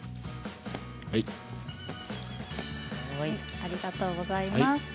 ありがとうございます。